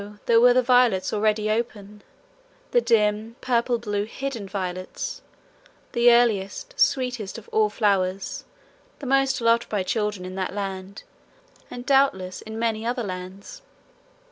there were the violets already open the dim, purple blue, hidden violets, the earliest, sweetest, of all flowers the most loved by children in that land, and doubtless in many other lands.